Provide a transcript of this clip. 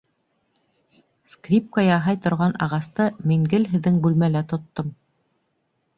Скрипка яһай торған ағасты мин гел һеҙҙең бүлмәлә тоттом...